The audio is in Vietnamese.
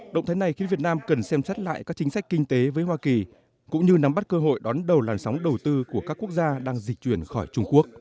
động thái này khiến việt nam cần xem xét lại các chính sách kinh tế với hoa kỳ cũng như nắm bắt cơ hội đón đầu làn sóng đầu tư của các quốc gia đang dịch chuyển khỏi trung quốc